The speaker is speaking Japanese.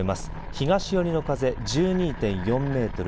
東寄りの風１２．４メートル